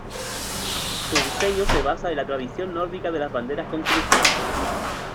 Su diseño se basa en la tradición nórdica de las banderas con cruces.